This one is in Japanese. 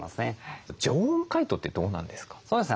常温解凍ってどうなんですか？